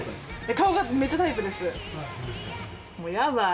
顔がめっちゃタイプです。